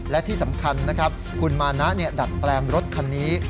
และที่สำคัญนะครับคุณมานะดัดแปลงรถคันนี้